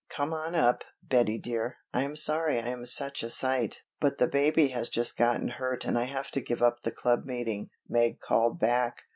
"Come on up, Betty dear, I am sorry I am such a sight, but the baby has just gotten hurt and I have to give up the club meeting," Meg called back.